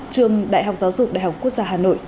trường đại học giáo dục đại học quốc gia hà nội